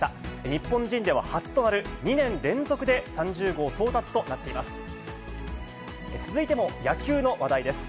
日本人では初となる２年連続で３０号到達となっています。